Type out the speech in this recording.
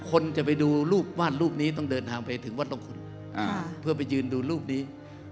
คนจะไปดูรูปวาดรูปนี้ต้องเดินทางไปถึงวัดตรงคุณเพื่อไปยืนดูรูปนี้